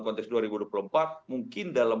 konteks dua ribu dua puluh empat mungkin dalam